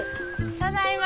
ただいま。